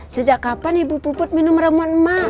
sejak kapan ibu puput minum remuan emak